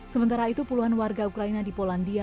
sementara itu puluhan warga ukraina di polandia